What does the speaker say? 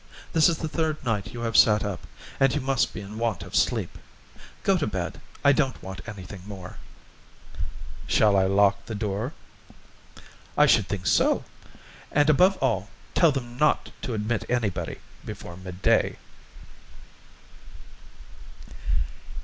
This is the third night you have sat up, and you must be in want of sleep. Go to bed. I don't want anything more." "Shall I lock the door?" "I should think so! And above all, tell them not to admit anybody before midday."